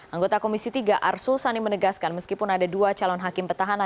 anggota komisi tiga arsul sani menegaskan meskipun ada dua calon hakim petahana